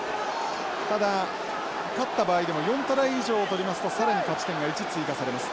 ただ勝った場合でも４トライ以上を取りますとさらに勝ち点が１追加されます。